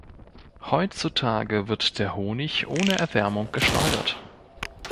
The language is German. Heutzutage wird der Honig ohne Erwärmung geschleudert.